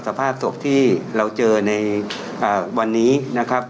สภาพศพที่เราเจอในวันนี้นะครับ